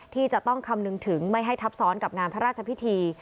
ที่จะต้องคำนึงถึงไม่ให้ทับซ้อนกับงานพระราชพิธี